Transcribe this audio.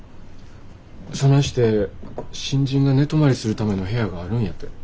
そないして新人が寝泊まりするための部屋があるんやて。